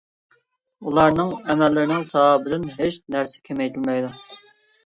ئۇلارنىڭ ئەمەللىرىنىڭ ساۋابىدىن ھېچ نەرسە كېمەيتىلمەيدۇ.